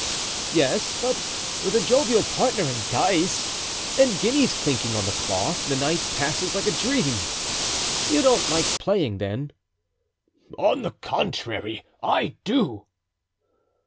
"Yes, but with a jovial partner and dice, and guineas clinking on the cloth, the night passes like a dream. You don't like playing, then?" "On the contrary, I do."